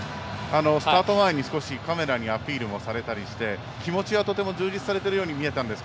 スタート前にカメラにアピールされたりして気持ちはとても充実されているように見えました。